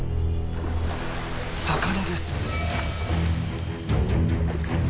魚です。